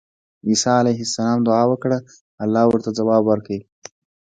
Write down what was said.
عيسی عليه السلام دعاء وکړه، الله ورته ځواب ورکړ